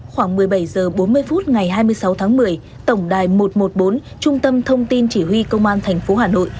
khoảng một mươi bảy h bốn mươi phút ngày hai mươi sáu tháng một mươi tổng đài một trăm một mươi bốn trung tâm thông tin chỉ huy công an tp hà nội